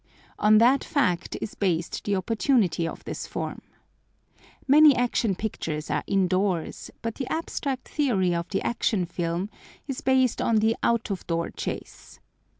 On that fact is based the opportunity of this form. Many Action Pictures are indoors, but the abstract theory of the Action Film is based on the out of door chase.